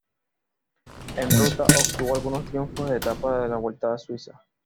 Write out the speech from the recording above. En ruta obtuvo algunos triunfos de etapa en la Vuelta a Suiza.